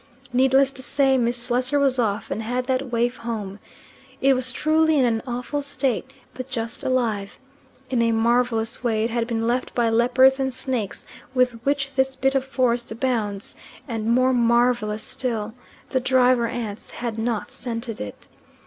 Needless to say, Miss Slessor was off, and had that waif home. It was truly in an awful state, but just alive. In a marvellous way it had been left by leopards and snakes, with which this bit of forest abounds, and, more marvellous still, the driver ants had not scented it.